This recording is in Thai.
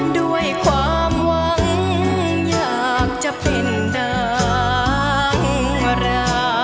ด้วยความหวังอยากจะเป็นดารา